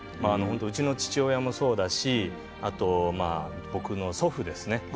うちの父親もそうだし僕の祖父ですね